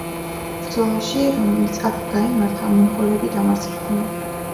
ბრძოლაში, რომელიც აქ გაიმართა, მონღოლები დამარცხდნენ.